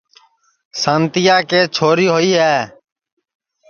سانتِیا کے چھوری ہوئی ہے